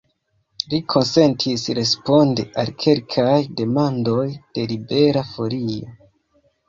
Li konsentis respondi al kelkaj demandoj de Libera Folio.